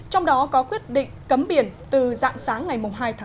trong đó có quyết định cấm biển từ dạng sáng ngày hai tháng tám